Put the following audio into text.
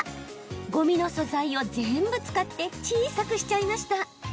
ごみの素材を全部使って小さくしちゃいました。